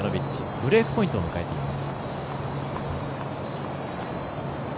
ブレークポイントを迎えています。